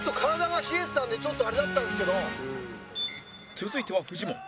続いてはフジモン。